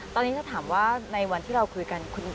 ตอนนี้ถ้าถามว่าในวันที่เราคุยกัน